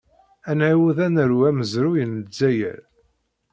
Ad nɛawed ad naru amezruy n Lezzayer.